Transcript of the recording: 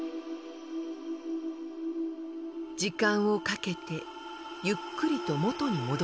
時間をかけてゆっくりと元に戻ります。